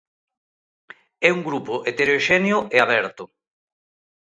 É un grupo heteroxéneo e aberto.